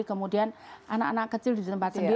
kemudian anak anak kecil di tempat sendiri